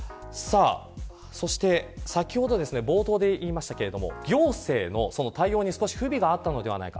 そして、先ほど冒頭で言いましたけれども行政の対応に少し不備があったのではないか。